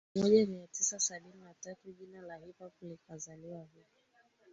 ya elfu moja mia tisa sabini na tatu jina la Hip Hop likazaliwa Hii